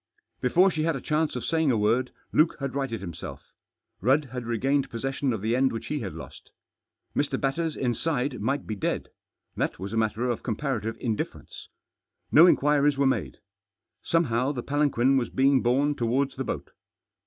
Before she had a chance of saying a word Luke had righted himself. Rudd had regained possession of the end which he had lost. Mr. Batters inside might be dead. That was a matter of comparative indifference. No inquiries were made. Somehow the palanquin was being borne towards the boat.